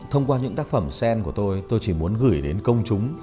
thông qua những tác phẩm sen của tôi tôi chỉ muốn gửi đến công chúng